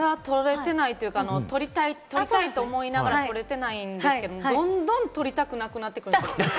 まだ取れてないんですけれども、取りたいと思いながら取れてないんですけれども、どんどん取りたくなくなってくる。